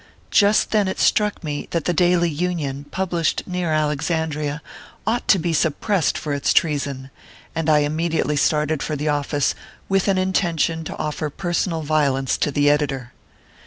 Just then it struck me that the Daily Union, published near Alexandria, ought to be suppressed for its trea son ; and I immediately started for the office, with an intention to offer personal violence to the editor.